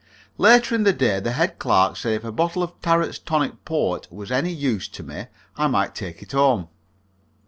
Later in the day the head clerk said if a bottle of Tarret's Tonic Port was any use to me I might take it home.